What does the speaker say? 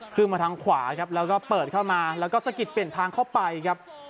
มาทางขวาครับแล้วก็เปิดเข้ามาแล้วก็สะกิดเปลี่ยนทางเข้าไปครับ